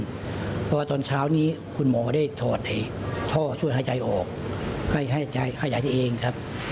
เพราะว่าตอนเช้านี้คุณหมอได้ถอดท่อช่วยหายใจออกให้ยายตัวเองครับ